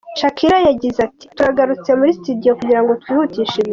Shakira yagize ati :"turagarutse muri stidiyo kugira ngo twihutishe ibintu.